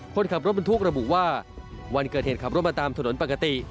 คนขับรถบรรทุกระบุว่าวันเกิดเหตุขับรถมาตามถนนปกติ